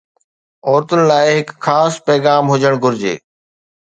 عورتن لاء هڪ خاص پيغام هجڻ گهرجي